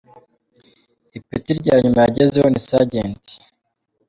Ipeti lya nyuma yagezeho ni Sergent.